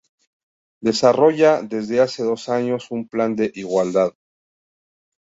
Desarrolla desde hace dos años un Plan de Igualdad.